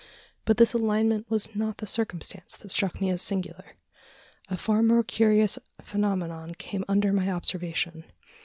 But this alignment was not the circumstance that struck me as singular. A far more curious phenomenon came under my observation.